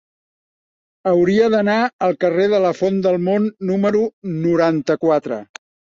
Hauria d'anar al carrer de la Font del Mont número noranta-quatre.